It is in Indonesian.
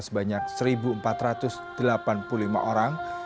sebanyak satu empat ratus delapan puluh lima orang